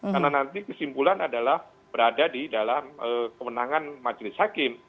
karena nanti kesimpulan adalah berada di dalam kemenangan majelis hakim